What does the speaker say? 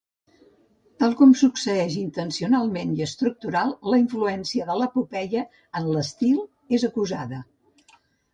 Tal com succeeix intencionalment i estructural, la influència de l'epopeia en l'estil és acusada.